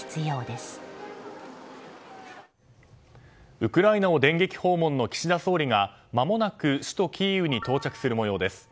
ウクライナを電撃訪問の岸田総理がまもなく首都キーウに到着する模様です。